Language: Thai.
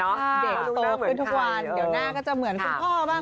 เด็กโตขึ้นทุกวันเดี๋ยวหน้าก็จะเหมือนคุณพ่อบ้าง